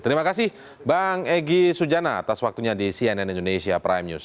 terima kasih bang egy sujana atas waktunya di cnn indonesia prime news